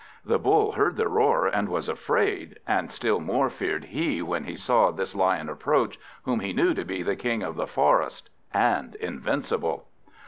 The Bull heard the roar and was afraid; and still more feared he, when he saw this Lion approach, whom he knew to be the King of the Forest, and invincible.